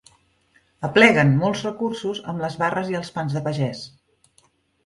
Apleguen molts recursos amb les barres i els pans de pagès.